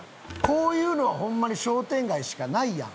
こういうのはホンマに商店街しかないやん。